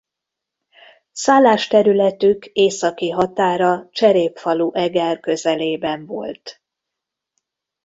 Szállásterületük északi határa Cserépfalu–Eger közelében volt.